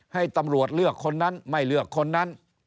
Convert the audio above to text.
ให้ตำรวจเลือกคนนั้นไม่เลือกคนนั้น